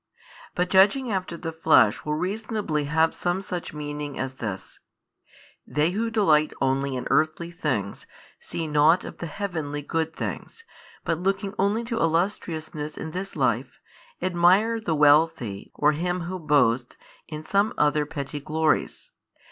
But judging after the flesh will reasonably have some such meaning as this: They who delight only in earthly things, see nought of the heavenly good things, but looking only to illustriousness in this life, admire the wealthy or him who boasts in some other petty glories.